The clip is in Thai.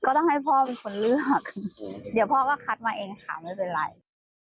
ต้องให้พ่อเป็นคนเลือกเดี๋ยวพ่อก็คัดมาเองค่ะไม่เป็นไร